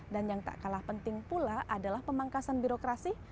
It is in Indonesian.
dan yang tak kalah penting adalah pemangkasan birokrasi